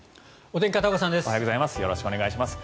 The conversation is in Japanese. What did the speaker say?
おはようございます。